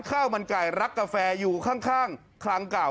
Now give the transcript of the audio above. ข้าวมันไก่รักกาแฟอยู่ข้างคลังเก่า